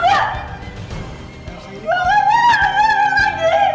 gue gak mau dengerin lo lagi